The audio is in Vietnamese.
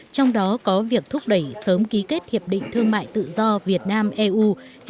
trong đó có việc thúc đẩy sớm ký kết hiệp định thương mại tự do việt nam eu